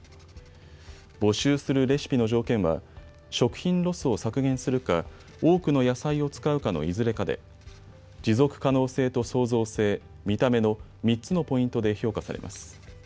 募集するレシピの条件は食品ロスを削減するか多くの野菜を使うかのいずれかで持続可能性と創造性、見た目の３つのポイントで評価されます。